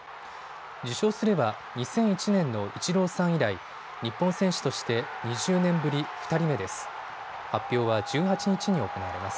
受賞すれば２００１年のイチローさん以来、日本選手として２０年ぶり２人目です。